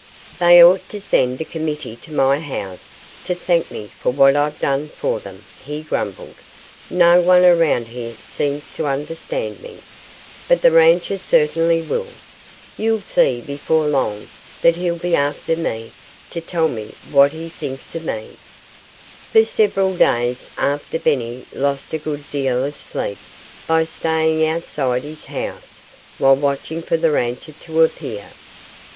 "They ought to send a committee to my house to thank me for what I've done for them," he grumbled. "No one around here seems to understand me. But the rancher certainly will. You'll see before long that he'll be after me, to tell me what he thinks of me." For several days afterward Benny lost a good deal of sleep by staying outside his house while watching for the rancher to appear.